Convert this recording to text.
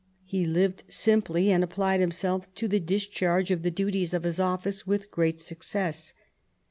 He lived simply, and applied himself to the discharge of the duties of his office with great success.